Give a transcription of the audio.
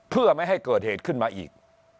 เพื่อไม่ให้เกิดเหตุขึ้นมาอีก